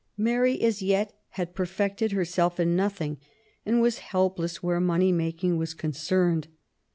Mary as yet had perfected herself in nothing, and was helpless where money making was concerned.